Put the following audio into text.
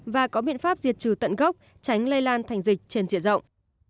và có biện pháp diệt trừ tận gốc tránh lây lan thành dịch trên diện rộng